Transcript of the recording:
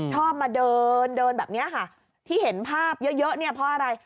ชอบมาเดินเดินแบบนี้ค่ะที่เห็นภาพเยอะเนี่ยเพราะอะไร